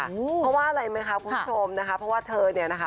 เพราะว่าอะไรไหมคะคุณผู้ชมนะคะเพราะว่าเธอเนี่ยนะคะ